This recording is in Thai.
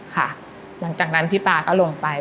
หลังจากนั้นพี่ป๊าก็ลงไป